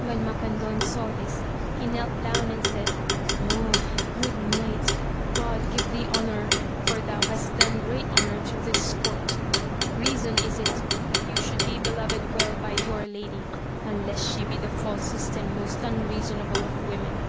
When Macandon saw this, he knelt down and said, good knight, God give thee honour, for thou hast done great honour to this court ! Keason is it that you should be beloved well by your lady, unless she be the falsest and most unreasonable of women.